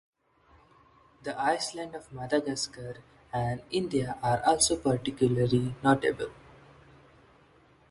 The island of Madagascar and India are also particularly notable.